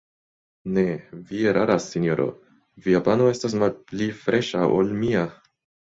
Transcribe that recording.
Ne, vi eraras, sinjoro: via pano estas malpli freŝa, ol mia.